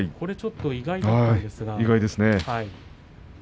意外ですね。